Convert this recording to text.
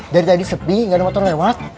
dari tadi sepi nggak ada motor lewat